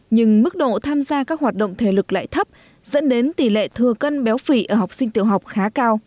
nhưng mức độ tham gia các hoạt động thể lực lại thấp dẫn đến tỷ lệ thừa cân béo phì ở học sinh tiểu học khá cao